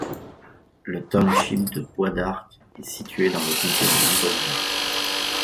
Le township de Bois d'Arc est situé dans le comté de Montgomery.